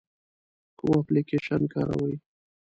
کوم اپلیکیشن کاروئ؟